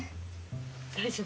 大丈夫？